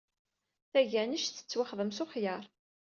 Taganect tettwaxdam s uxyar.